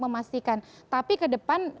memastikan tapi kedepan